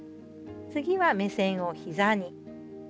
次は目線をヒザに。